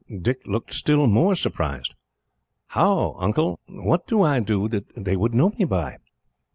Dick looked still more surprised. "How, Uncle? What do I do that they would know me by."